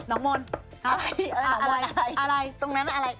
หนักมนต์อะไรอะไรตรงนั้นอะไร